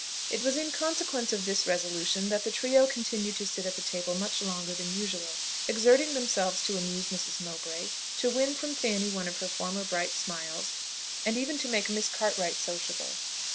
It was in consequence of this resolution, that the trio continued to sit at the table much longer than usual; exerting themselves to amuse Mrs. Mowbray, to win from Fanny one of her former bright smiles, and even to make Miss Cartwright sociable.